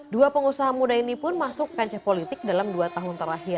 dua pengusaha muda ini pun masuk kancah politik dalam dua tahun terakhir